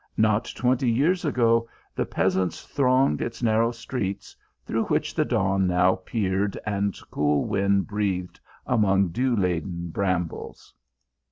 Not twenty years ago the peasants thronged its narrow streets, through which the dawn now peered and cool wind breathed among dew laden brambles.